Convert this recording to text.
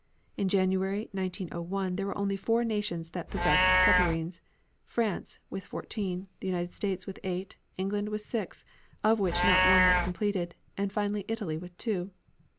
On January 1, 1901, there were only four nations that possessed submarines, France, with fourteen; the United States, with eight; England, with six, of which not one was completed, and finally Italy, with two.